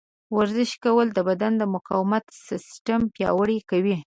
ورزش کول د بدن د مقاومت سیستم پیاوړی کوي.